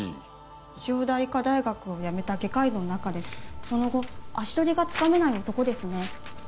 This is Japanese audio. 千代田医科大学を辞めた外科医の中でその後足取りがつかめない男ですね